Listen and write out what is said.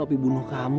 opi bunuh kamu